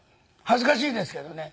恥ずかしいですけどね。